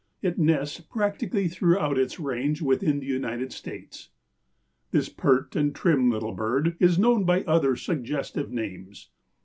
It nests practically throughout its range within the United States. This pert and trim little bird is known by other suggestive names.